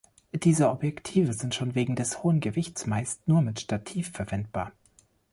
Diese Objektive sind schon wegen des hohen Gewichts meist nur mit Stativ verwendbar.